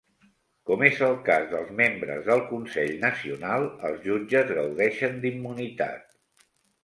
Com és el cas dels membres del Consell Nacional, els jutges gaudeixen d'immunitat.